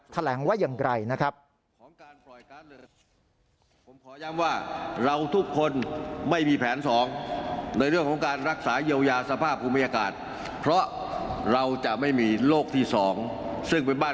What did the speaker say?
แถลงว่าอย่างไรนะครับ